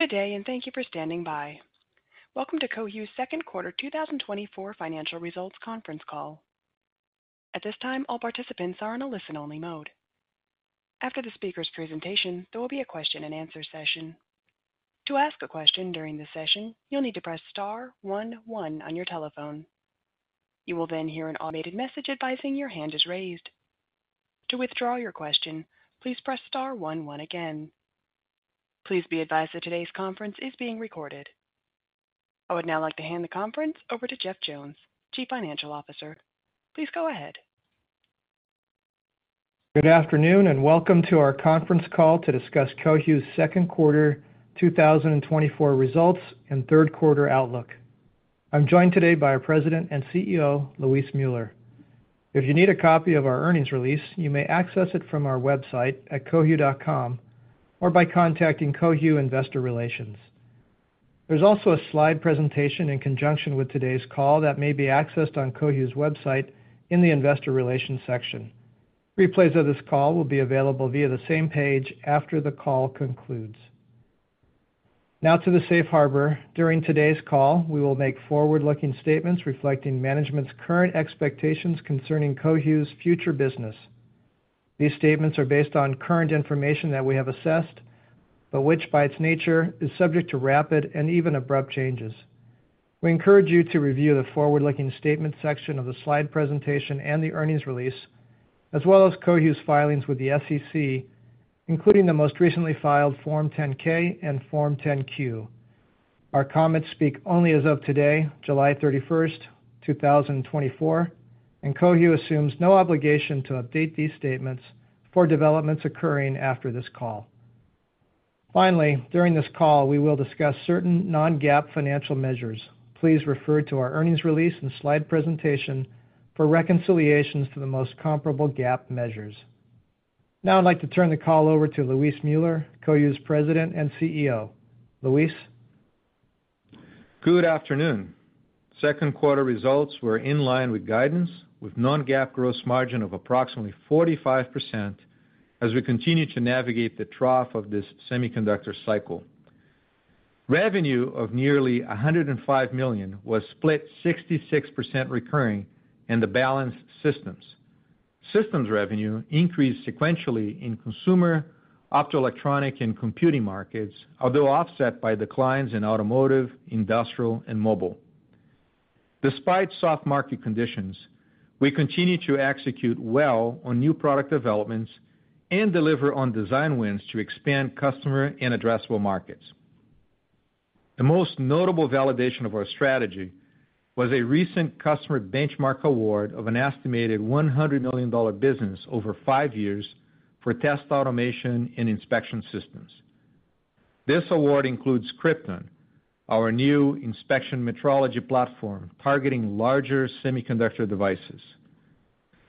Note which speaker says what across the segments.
Speaker 1: Good day, and thank you for standing by. Welcome to Cohu's second quarter 2024 financial results conference call. At this time, all participants are in a listen-only mode. After the speaker's presentation, there will be a question-and-answer session. To ask a question during the session, you'll need to press star one one on your telephone. You will then hear an automated message advising your hand is raised. To withdraw your question, please press star one one again. Please be advised that today's conference is being recorded. I would now like to hand the conference over to Jeff Jones, Chief Financial Officer. Please go ahead.
Speaker 2: Good afternoon, and welcome to our conference call to discuss Cohu's second quarter 2024 results and third quarter outlook. I'm joined today by our President and CEO, Luis Müller. If you need a copy of our earnings release, you may access it from our website at cohu.com or by contacting Cohu Investor Relations. There's also a slide presentation in conjunction with today's call that may be accessed on Cohu's website in the Investor Relations section. Replays of this call will be available via the same page after the call concludes. Now to the Safe Harbor. During today's call, we will make forward-looking statements reflecting management's current expectations concerning Cohu's future business. These statements are based on current information that we have assessed, but which, by its nature, is subject to rapid and even abrupt changes. We encourage you to review the forward-looking statement section of the slide presentation and the earnings release, as well as Cohu's filings with the SEC, including the most recently filed Form 10-K and Form 10-Q. Our comments speak only as of today, July 31st, 2024, and Cohu assumes no obligation to update these statements for developments occurring after this call. Finally, during this call, we will discuss certain non-GAAP financial measures. Please refer to our earnings release and slide presentation for reconciliations to the most comparable GAAP measures. Now I'd like to turn the call over to Luis Müller, Cohu's President and CEO. Luis?
Speaker 3: Good afternoon. Second quarter results were in line with guidance, with non-GAAP gross margin of approximately 45% as we continue to navigate the trough of this semiconductor cycle. Revenue of nearly $105 million was split 66% recurring in the balanced systems. Systems revenue increased sequentially in consumer, optoelectronic, and computing markets, although offset by declines in automotive, industrial, and mobile. Despite soft market conditions, we continue to execute well on new product developments and deliver on design wins to expand customer and addressable markets. The most notable validation of our strategy was a recent customer benchmark award of an estimated $100 million business over 5 years for test automation and inspection systems. This award includes Krypton, our new inspection metrology platform, targeting larger semiconductor devices.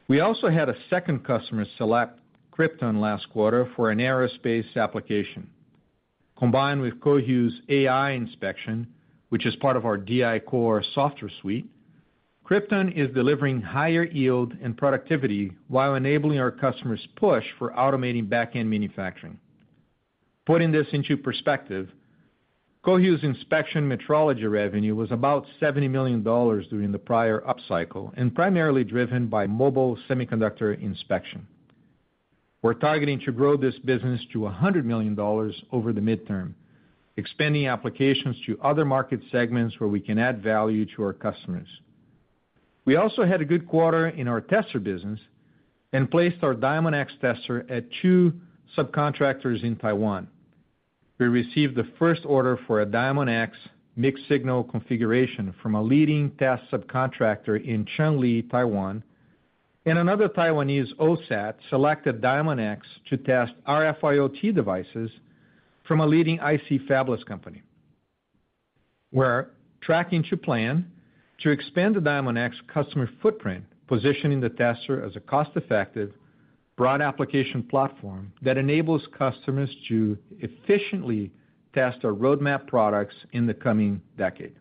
Speaker 3: We also had a second customer select Krypton last quarter for an aerospace application. Combined with Cohu's AI inspection, which is part of our DI-Core software suite, Krypton is delivering higher yield and productivity while enabling our customers' push for automating back-end manufacturing. Putting this into perspective, Cohu's inspection metrology revenue was about $70 million during the prior upcycle and primarily driven by mobile semiconductor inspection. We're targeting to grow this business to $100 million over the midterm, expanding applications to other market segments where we can add value to our customers. We also had a good quarter in our tester business and placed our Diamondx tester at two subcontractors in Taiwan. We received the first order for a Diamondx mixed signal configuration from a leading test subcontractor in Chungli, Taiwan, and another Taiwanese OSAT selected Diamondx to test RF IoT devices from a leading IC fabless company. We're tracking to plan to expand the Diamondx customer footprint, positioning the tester as a cost-effective, broad application platform that enables customers to efficiently test our roadmap products in the coming decade.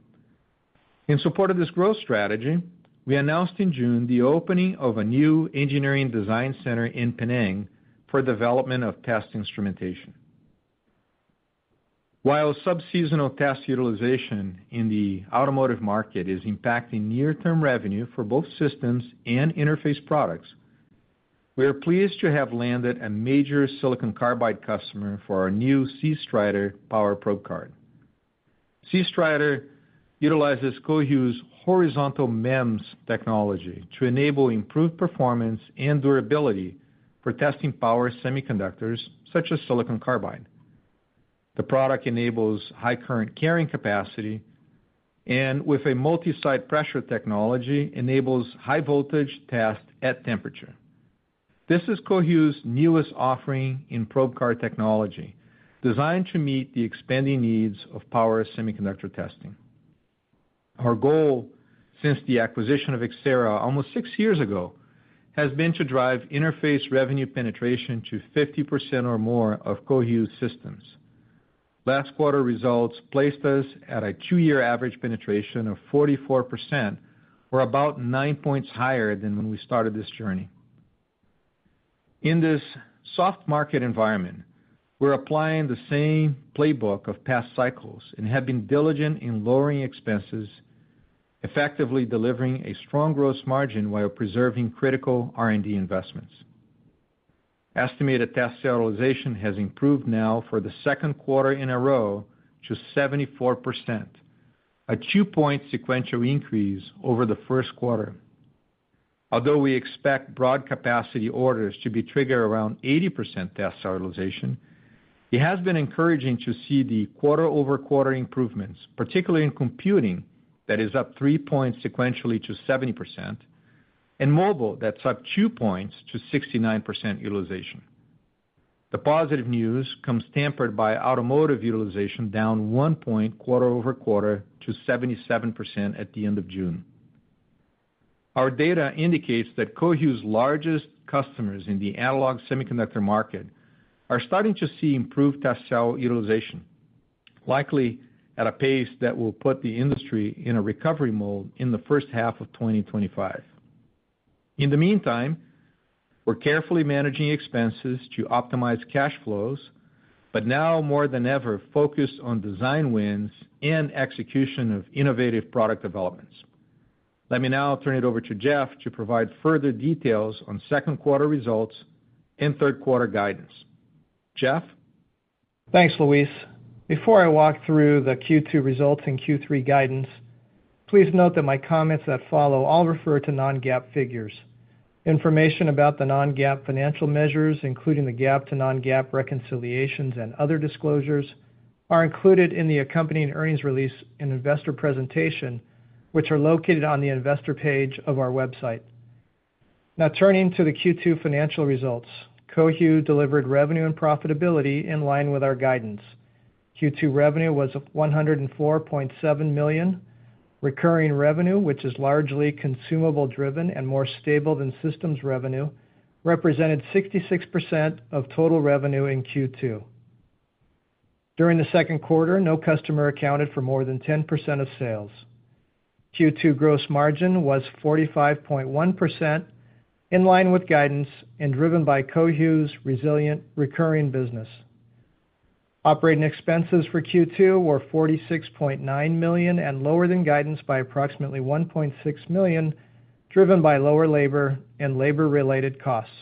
Speaker 3: In support of this growth strategy, we announced in June the opening of a new engineering design center in Penang for development of test instrumentation. While subseasonal test utilization in the automotive market is impacting near-term revenue for both systems and interface products, we are pleased to have landed a major silicon carbide customer for our new cStrider power probe card. cStrider utilizes Cohu's horizontal MEMS technology to enable improved performance and durability for testing power semiconductors, such as silicon carbide. The product enables high current carrying capacity and, with a multi-site pressure technology, enables high voltage test at temperature. This is Cohu's newest offering in probe card technology, designed to meet the expanding needs of power semiconductor testing. Our goal since the acquisition of Xcerra almost 6 years ago has been to drive interface revenue penetration to 50% or more of Cohu's systems. Last quarter results placed us at a 2-year average penetration of 44% or about 9 points higher than when we started this journey. In this soft market environment, we're applying the same playbook of past cycles and have been diligent in lowering expenses, effectively delivering a strong growth margin while preserving critical R&D investments. Estimated test serialization has improved now for the second quarter in a row to 74%, a 2-point sequential increase over the first quarter. Although we expect broad capacity orders to be triggered around 80% test serialization, it has been encouraging to see the quarter-over-quarter improvements, particularly in computing, that is up 3 points sequentially to 70%, and mobile, that's up 2 points to 69% utilization. The positive news comes tempered by automotive utilization, down 1 point quarter-over-quarter to 77% at the end of June. Our data indicates that Cohu's largest customers in the analog semiconductor market are starting to see improved test cell utilization, likely at a pace that will put the industry in a recovery mode in the first half of 2025. In the meantime, we're carefully managing expenses to optimize cash flows, but now more than ever, focused on design wins and execution of innovative product developments. Let me now turn it over to Jeff to provide further details on second quarter results and third quarter guidance. Jeff?
Speaker 2: Thanks, Luis. Before I walk through the Q2 results and Q3 guidance, please note that my comments that follow all refer to non-GAAP figures. Information about the non-GAAP financial measures, including the GAAP to non-GAAP reconciliations and other disclosures, are included in the accompanying earnings release and investor presentation, which are located on the investor page of our website. Now, turning to the Q2 financial results. Cohu delivered revenue and profitability in line with our guidance. Q2 revenue was $104.7 million. Recurring revenue, which is largely consumable driven and more stable than systems revenue, represented 66% of total revenue in Q2. During the second quarter, no customer accounted for more than 10% of sales. Q2 gross margin was 45.1%, in line with guidance and driven by Cohu's resilient recurring business. Operating expenses for Q2 were $46.9 million, and lower than guidance by approximately $1.6 million, driven by lower labor and labor-related costs.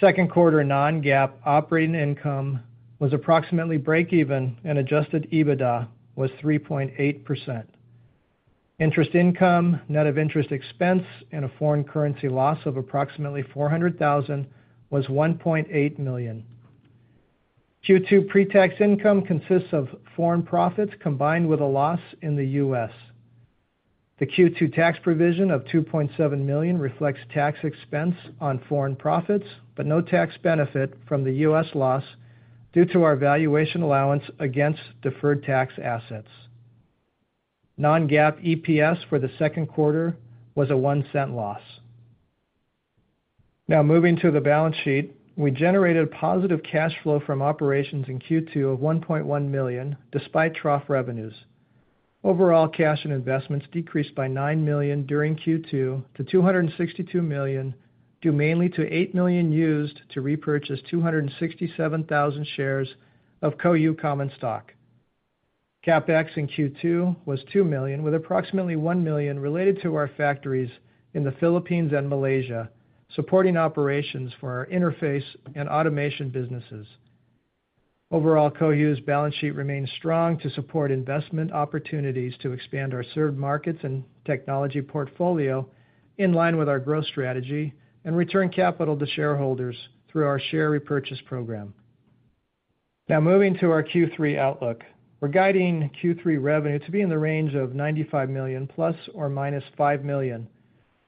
Speaker 2: Second quarter non-GAAP operating income was approximately breakeven, and adjusted EBITDA was 3.8%. Interest income, net of interest expense, and a foreign currency loss of approximately $400,000 was $1.8 million. Q2 pretax income consists of foreign profits combined with a loss in the U.S. The Q2 tax provision of $2.7 million reflects tax expense on foreign profits, but no tax benefit from the U.S. loss due to our valuation allowance against deferred tax assets. Non-GAAP EPS for the second quarter was a $0.01 loss. Now, moving to the balance sheet. We generated positive cash flow from operations in Q2 of $1.1 million, despite trough revenues. Overall, cash and investments decreased by $9 million during Q2 to $262 million, due mainly to $8 million used to repurchase 267,000 shares of Cohu common stock. CapEx in Q2 was $2 million, with approximately $1 million related to our factories in the Philippines and Malaysia, supporting operations for our interface and automation businesses. Overall, Cohu's balance sheet remains strong to support investment opportunities to expand our served markets and technology portfolio in line with our growth strategy, and return capital to shareholders through our share repurchase program. Now, moving to our Q3 outlook. We're guiding Q3 revenue to be in the range of $95 million ± $5 million,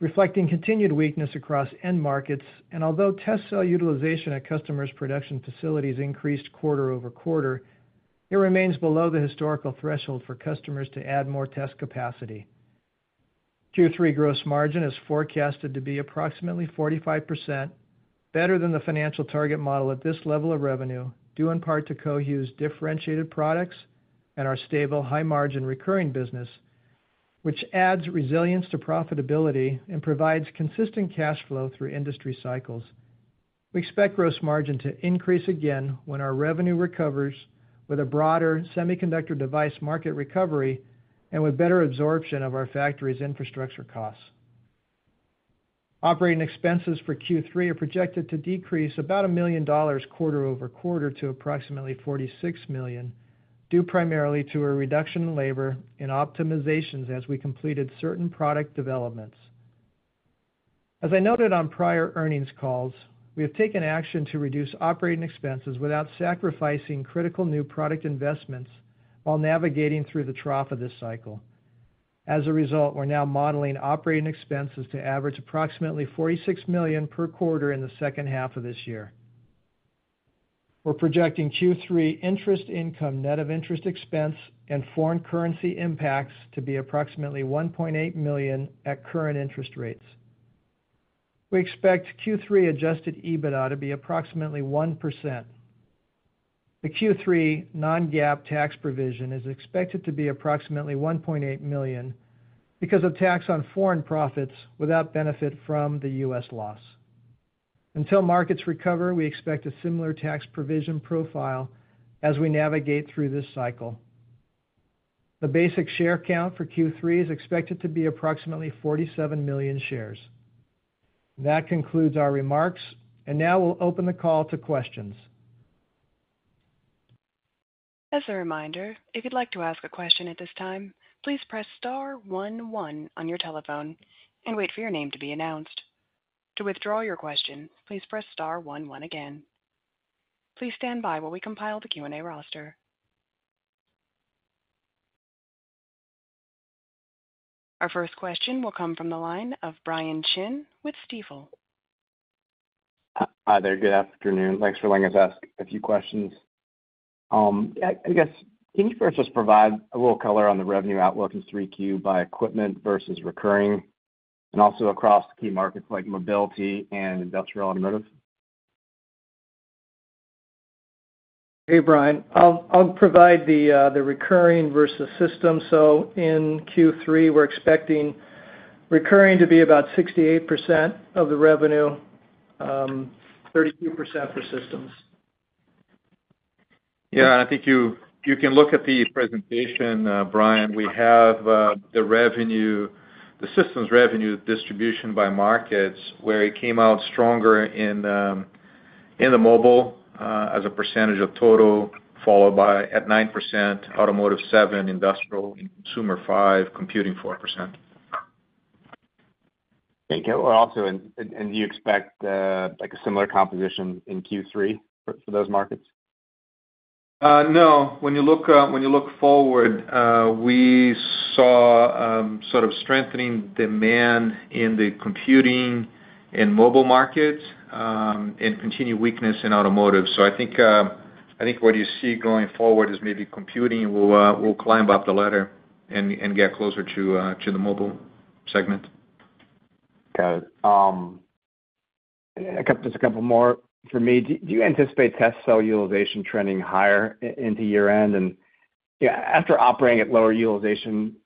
Speaker 2: reflecting continued weakness across end markets, and although test cell utilization at customers' production facilities increased quarter-over-quarter, it remains below the historical threshold for customers to add more test capacity. Q3 gross margin is forecasted to be approximately 45%, better than the financial target model at this level of revenue, due in part to Cohu's differentiated products and our stable, high-margin recurring business, which adds resilience to profitability and provides consistent cash flow through industry cycles. We expect gross margin to increase again when our revenue recovers with a broader semiconductor device market recovery and with better absorption of our factory's infrastructure costs. Operating expenses for Q3 are projected to decrease about $1 million quarter-over-quarter to approximately $46 million, due primarily to a reduction in labor and optimizations as we completed certain product developments. As I noted on prior earnings calls, we have taken action to reduce operating expenses without sacrificing critical new product investments while navigating through the trough of this cycle. As a result, we're now modeling operating expenses to average approximately $46 million per quarter in the second half of this year. We're projecting Q3 interest income, net of interest expense, and foreign currency impacts to be approximately $1.8 million at current interest rates. We expect Q3 adjusted EBITDA to be approximately 1%. The Q3 non-GAAP tax provision is expected to be approximately $1.8 million, because of tax on foreign profits without benefit from the U.S. loss. Until markets recover, we expect a similar tax provision profile as we navigate through this cycle. The basic share count for Q3 is expected to be approximately 47 million shares. That concludes our remarks, and now we'll open the call to questions.
Speaker 1: As a reminder, if you'd like to ask a question at this time, please press star one, one on your telephone and wait for your name to be announced. To withdraw your question, please press star one, one again. Please stand by while we compile the Q&A roster. Our first question will come from the line of Brian Chin with Stifel.
Speaker 4: Hi there. Good afternoon. Thanks for letting us ask a few questions. I guess, can you first just provide a little color on the revenue outlook in 3Q by equipment versus recurring, and also across key markets like mobility and industrial automotive?
Speaker 2: Hey, Brian. I'll provide the recurring versus system. So in Q3, we're expecting recurring to be about 68% of the revenue, 32% for systems.
Speaker 3: Yeah, I think you can look at the presentation, Brian. We have the revenue, the systems revenue distribution by markets, where it came out stronger in the mobile as a percentage of total, followed by at 9%, Automotive 7, Industrial and Consumer 5, computing 4%.
Speaker 4: Thank you. Well, also, and do you expect, like, a similar composition in Q3 for those markets?
Speaker 3: No. When you look forward, we saw sort of strengthening demand in the computing and mobile markets, and continued weakness in automotive. So I think what you see going forward is maybe computing will climb up the ladder and get closer to the mobile segment.
Speaker 4: Got it. Just a couple more for me. Do you anticipate test cell utilization trending higher into year-end? And, yeah, after operating at lower utilization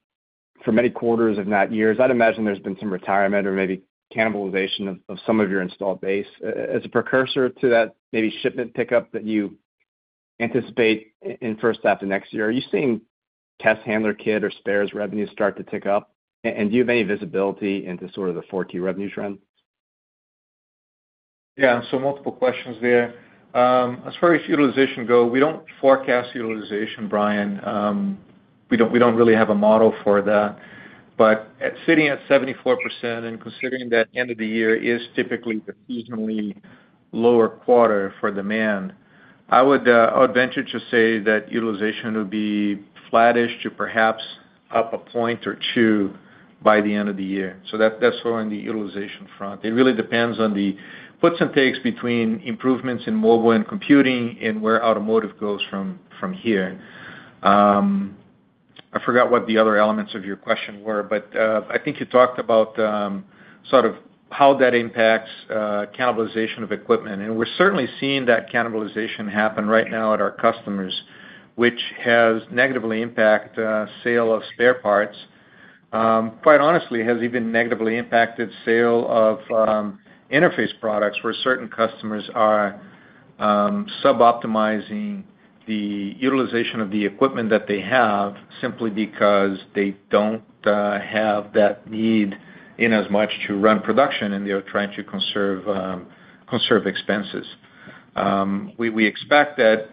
Speaker 4: for many quarters, if not years, I'd imagine there's been some retirement or maybe cannibalization of some of your installed base. As a precursor to that maybe shipment pickup that you anticipate in first half of next year, are you seeing test handler kit or spares revenue start to tick up? And do you have any visibility into sort of the 4T revenues trend?
Speaker 3: Yeah, so multiple questions there. As far as utilization go, we don't forecast utilization, Brian. We don't, we don't really have a model for that. But sitting at 74% and considering that end of the year is typically the seasonally lower quarter for demand, I would venture to say that utilization will be flattish to perhaps up a point or two by the end of the year. So that's on the utilization front. It really depends on the puts and takes between improvements in mobile and computing and where automotive goes from here. I forgot what the other elements of your question were, but I think you talked about sort of how that impacts cannibalization of equipment. And we're certainly seeing that cannibalization happen right now at our customers, which has negatively impacted sale of spare parts. Quite honestly, it has even negatively impacted sale of interface products, where certain customers are suboptimizing the utilization of the equipment that they have, simply because they don't have that need in as much to run production, and they are trying to conserve expenses. We expect that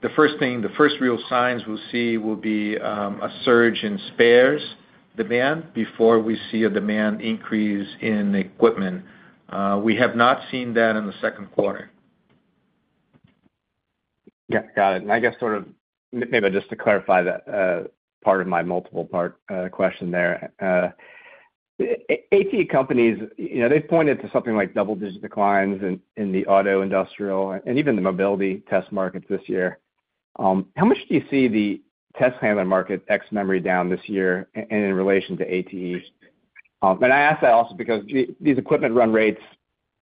Speaker 3: the first thing, the first real signs we'll see will be a surge in spares demand before we see a demand increase in equipment. We have not seen that in the second quarter.
Speaker 4: Yeah. Got it. And I guess, sort of, maybe just to clarify that part of my multiple part question there. ATE companies, you know, they've pointed to something like double-digit declines in the auto, industrial, and even the mobility test markets this year. How much do you see the test handler market ex memory down this year in relation to ATEs? And I ask that also because these equipment run rates,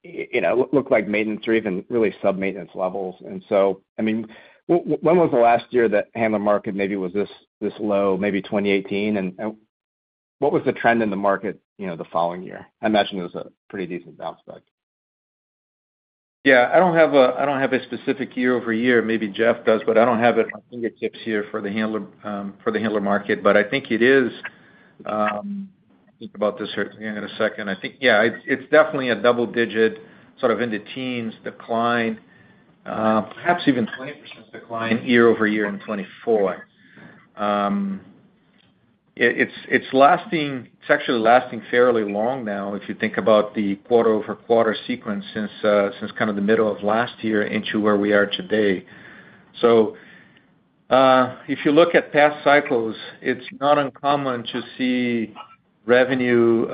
Speaker 4: you know, look like maintenance or even really sub-maintenance levels. And so, I mean, when was the last year that handler market maybe was this low, maybe 2018? And what was the trend in the market, you know, the following year? I imagine it was a pretty decent bounce back.
Speaker 3: Yeah. I don't have a specific year-over-year. Maybe Jeff does, but I don't have it on my fingertips here for the handler market. But I think it is. Think about this here, hang on a second. I think, yeah, it's definitely a double-digit, sort of in-the-teens decline, perhaps even 20% decline year-over-year in 2024. It's lasting, it's actually lasting fairly long now, if you think about the quarter-over-quarter sequence since kind of the middle of last year into where we are today. So, if you look at past cycles, it's not uncommon to see revenue,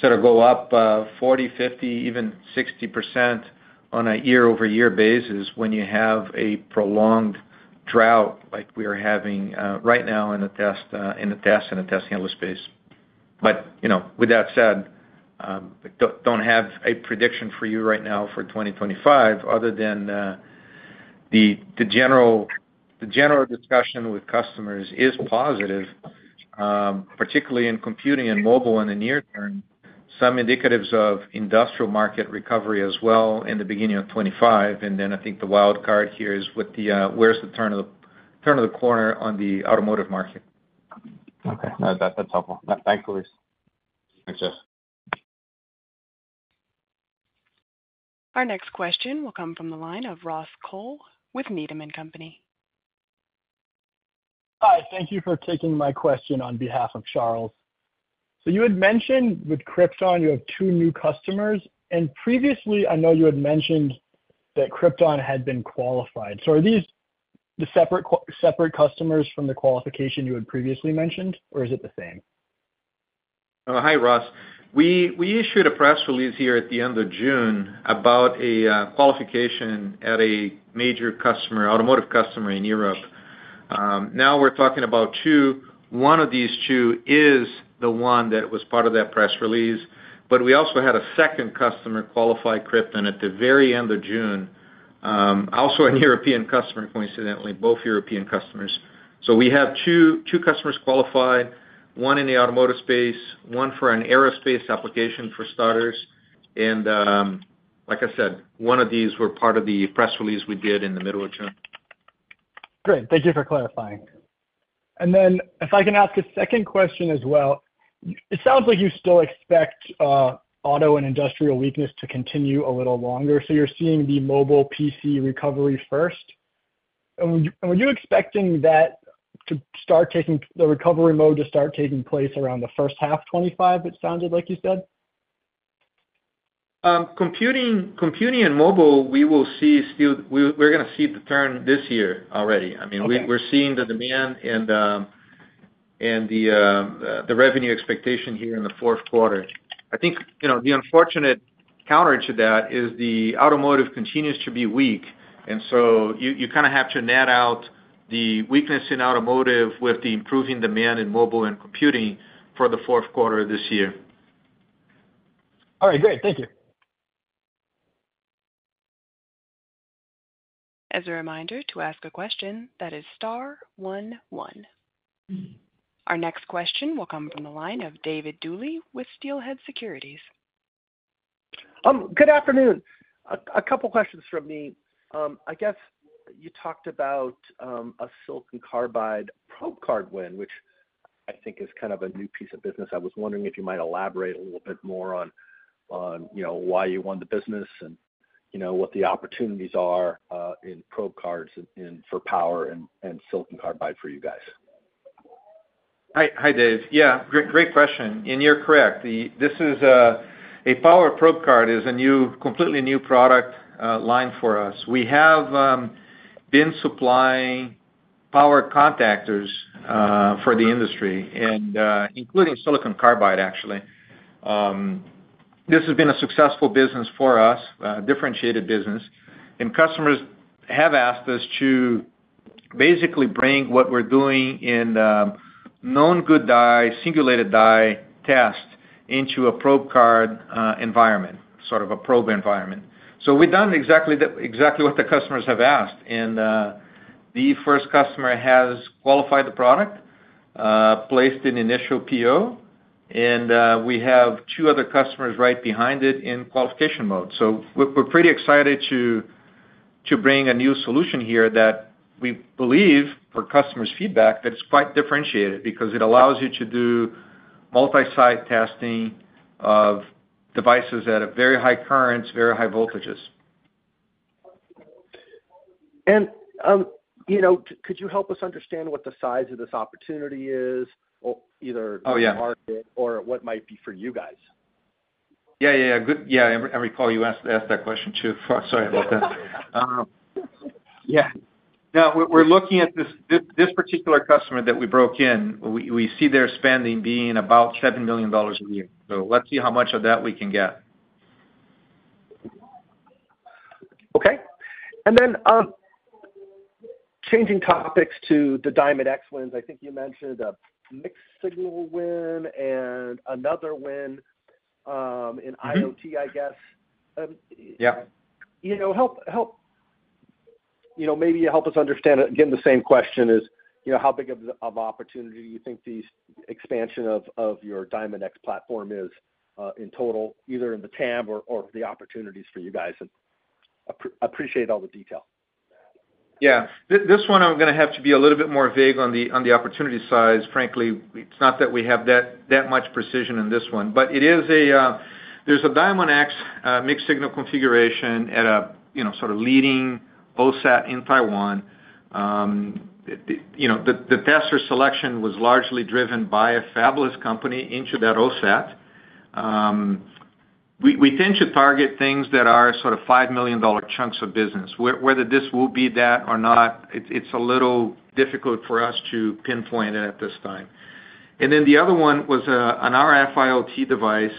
Speaker 3: sort of go up, 40, 50, even 60% on a year-over-year basis when you have a prolonged drought like we are having, right now in the test, in the test handler space. But, you know, with that said, don't have a prediction for you right now for 2025, other than, the general discussion with customers is positive, particularly in computing and mobile in the near term. Some indications of industrial market recovery as well in the beginning of 2025, and then I think the wild card here is with the, where's the turn of the corner on the automotive market?
Speaker 4: Okay. That, that's helpful. Thanks, Luis. Thanks, Jeff.
Speaker 1: Our next question will come from the line of Ross Cole with Needham & Company.
Speaker 5: Hi, thank you for taking my question on behalf of Charles. So you had mentioned with Krypton, you have two new customers, and previously, I know you had mentioned that Krypton had been qualified. So are these the separate customers from the qualification you had previously mentioned, or is it the same?
Speaker 3: Hi, Ross. We, we issued a press release here at the end of June about a qualification at a major customer, automotive customer in Europe. Now we're talking about two. One of these two is the one that was part of that press release, but we also had a second customer qualify Krypton at the very end of June, also a European customer, coincidentally, both European customers. So we have two, two customers qualified, one in the automotive space, one for an aerospace application for starters. And, like I said, one of these were part of the press release we did in the middle of June.
Speaker 5: Great. Thank you for clarifying. Then if I can ask a second question as well. It sounds like you still expect auto and industrial weakness to continue a little longer, so you're seeing the mobile PC recovery first. And were you expecting that to start taking place around the first half 2025, it sounded like you said?
Speaker 3: Computing and mobile, we will see. Still, we're gonna see the turn this year already.
Speaker 5: Okay.
Speaker 3: I mean, we're seeing the demand and the revenue expectation here in the fourth quarter. I think, you know, the unfortunate counter to that is the automotive continues to be weak, and so you kind of have to net out the weakness in automotive with the improving demand in mobile and computing for the fourth quarter this year.
Speaker 5: All right, great. Thank you.
Speaker 1: As a reminder, to ask a question, that is star one, one. Our next question will come from the line of David Dooley with Steelhead Securities.
Speaker 6: Good afternoon. A couple questions from me. I guess you talked about a Silicon Carbide probe card win, which I think is kind of a new piece of business. I was wondering if you might elaborate a little bit more on, you know, why you won the business and, you know, what the opportunities are in probe cards and for power and Silicon Carbide for you guys.
Speaker 3: Hi, hi, Dave. Yeah, great, great question, and you're correct. This is a power probe card is a new, completely new product line for us. We have been supplying power contactors for the industry and, including Silicon Carbide, actually. This has been a successful business for us, a differentiated business, and customers have asked us to basically bring what we're doing in Known Good Die, singulated die test into a Probe Card environment, sort of a probe environment. So we've done exactly what the customers have asked, and the first customer has qualified the product, placed an initial PO, and we have two other customers right behind it in qualification mode. So we're pretty excited to bring a new solution here that we believe, per customers' feedback, that's quite differentiated because it allows you to do multi-site testing of devices that have very high currents, very high voltages.
Speaker 6: You know, could you help us understand what the size of this opportunity is or either-
Speaker 3: Oh, yeah.
Speaker 6: The market or what might be for you guys?
Speaker 3: Yeah, yeah, yeah. Yeah, I recall you asked that question, too. Sorry about that.
Speaker 6: Yeah.
Speaker 3: Now, we're looking at this particular customer that we broke in. We see their spending being about $7 million a year. So let's see how much of that we can get.
Speaker 6: Okay. And then, changing topics to the Diamondx wins. I think you mentioned a mixed signal win and another win, in IoT- I guess.
Speaker 3: Yeah.
Speaker 6: You know, maybe help us understand, again, the same question is, you know, how big of opportunity you think these expansion of your Diamondx platform is, in total, either in the TAM or the opportunities for you guys? Appreciate all the detail.
Speaker 3: Yeah. This one, I'm gonna have to be a little bit more vague on the opportunity size. Frankly, it's not that we have that much precision in this one, but it is a Diamondx mixed signal configuration at a, you know, sort of leading OSAT in Taiwan. The, the, you know, the tester selection was largely driven by a fabless company into that OSAT. We tend to target things that are sort of $5 million chunks of business. Whether this will be that or not, it's a little difficult for us to pinpoint it at this time. And then the other one was a RF IoT device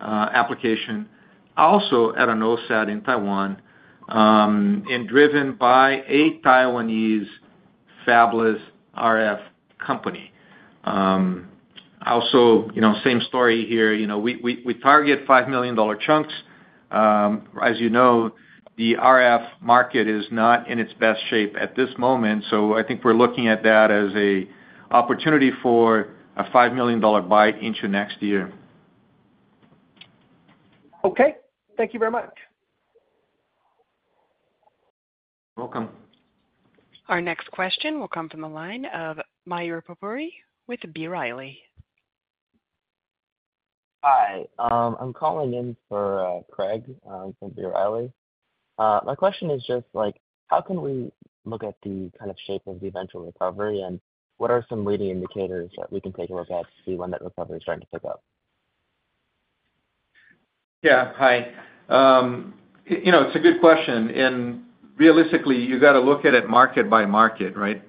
Speaker 3: application, also at an OSAT in Taiwan, and driven by a Taiwanese fabless RF company. Also, you know, same story here. You know, we target $5 million chunks. As you know, the RF market is not in its best shape at this moment, so I think we're looking at that as an opportunity for a $5 million buy into next year.
Speaker 6: Okay. Thank you very much.
Speaker 3: Welcome.
Speaker 1: Our next question will come from the line of Mayur Popuri with B. Riley.
Speaker 7: Hi. I'm calling in for Craig from B. Riley. My question is just like, how can we look at the kind of shape of the eventual recovery, and what are some leading indicators that we can take a look at to see when that recovery is starting to pick up?
Speaker 3: Yeah. Hi, you know, it's a good question, and realistically, you gotta look at it market by market, right?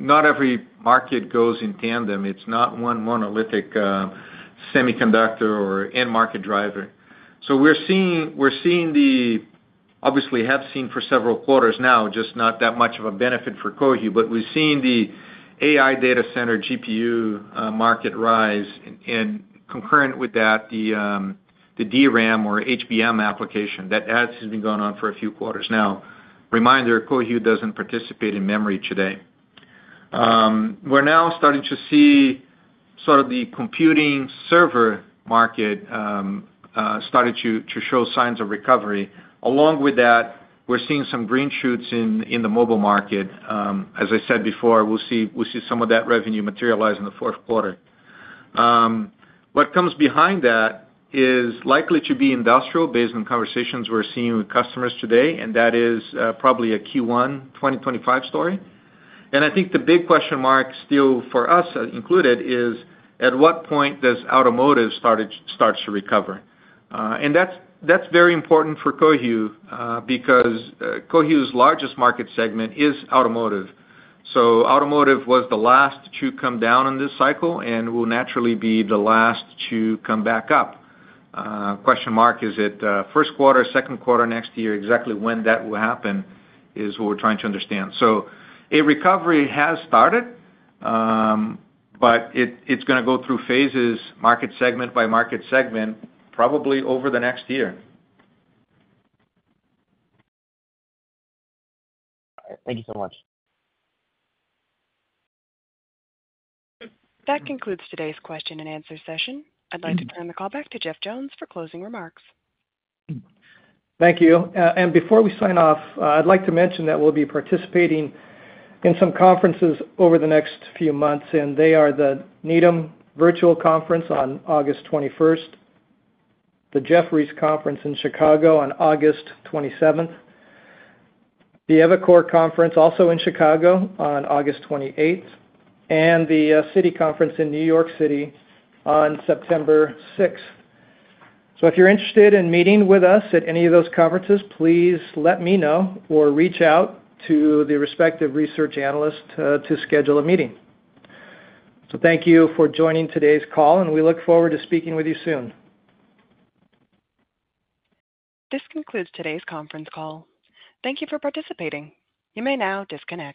Speaker 3: Not every market goes in tandem. It's not one monolithic semiconductor or end market driver. So we're seeing, we're seeing the obviously, have seen for several quarters now, just not that much of a benefit for Cohu, but we've seen the AI data center GPU market rise, and concurrent with that, the, the DRAM or HBM application. That has been going on for a few quarters now. Reminder, Cohu doesn't participate in memory today. We're now starting to see sort of the computing server market started to show signs of recovery. Along with that, we're seeing some green shoots in the mobile market. As I said before, we'll see some of that revenue materialize in the fourth quarter. What comes behind that is likely to be industrial, based on conversations we're seeing with customers today, and that is probably a Q1 2025 story. I think the big question mark still for us, included, is: at what point does automotive starts to recover? That's very important for Cohu, because Cohu's largest market segment is automotive. So automotive was the last to come down in this cycle and will naturally be the last to come back up. Question mark, is it first quarter, second quarter next year? Exactly when that will happen is what we're trying to understand. So a recovery has started, but it, it's gonna go through phases, market segment by market segment, probably over the next year.
Speaker 7: All right. Thank you so much.
Speaker 1: That concludes today's question and answer session. I'd like to turn the call back to Jeff Jones for closing remarks.
Speaker 3: Thank you. Before we sign off, I'd like to mention that we'll be participating in some conferences over the next few months, and they are the Needham Virtual Conference on August 21st, the Jefferies Conference in Chicago on August 27th, the Evercore Conference, also in Chicago, on August 28th, and the Citi Conference in New York City on September 6th. So if you're interested in meeting with us at any of those conferences, please let me know or reach out to the respective research analyst to schedule a meeting. So thank you for joining today's call, and we look forward to speaking with you soon.
Speaker 1: This concludes today's conference call. Thank you for participating. You may now disconnect.